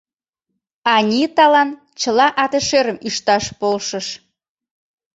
Аниталан чыла ате-шӧрым ӱшташ полшыш.